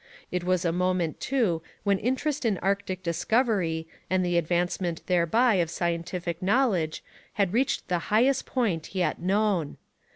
It was a moment too when interest in Arctic discovery and the advancement thereby of scientific knowledge had reached the highest point yet known.